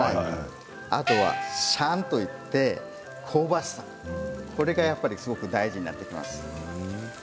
あとは香シャンといって香ばしさこれが大事になってきます。